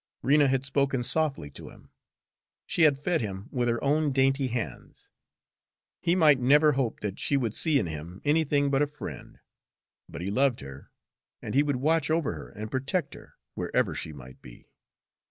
Rena had spoken softly to him; she had fed him with her own dainty hands. He might never hope that she would see in him anything but a friend; but he loved her, and he would watch over her and protect her, wherever she might be.